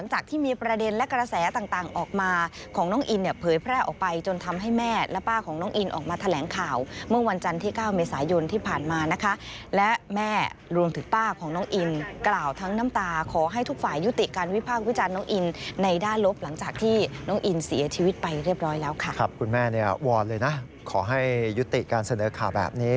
ขอให้ยุติการเสนอข่าวแบบนี้